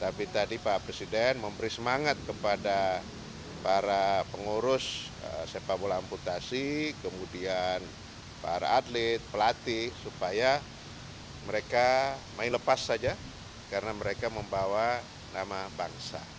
tapi tadi pak presiden memberi semangat kepada para pengurus sepak bola amputasi kemudian para atlet pelatih supaya mereka main lepas saja karena mereka membawa nama bangsa